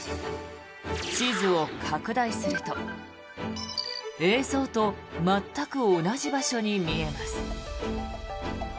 地図を拡大すると映像と全く同じ場所に見えます。